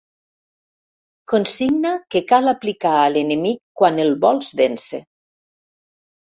Consigna que cal aplicar a l'enemic quan el vols vèncer.